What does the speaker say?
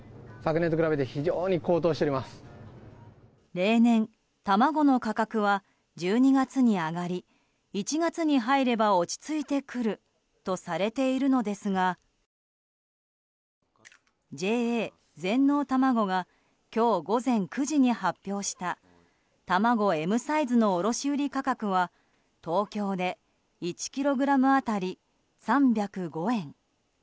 例年、卵の価格は１２月に上がり１月に入れば落ち着いてくるとされているのですがＪＡ全農たまごが今日午前９時に発表した卵Ｍサイズの卸売価格は東京で１ｋｇ当たり３０５円。